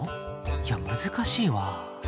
いや難しいわ。